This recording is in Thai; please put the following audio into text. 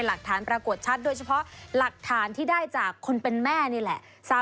ปรากฏชัดโดยเฉพาะหลักฐานที่ได้จากคนเป็นแม่นี่แหละ